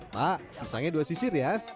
pak pisangnya dua sisir ya